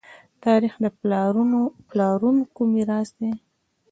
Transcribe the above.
تاریخ د پلارونکو میراث دی.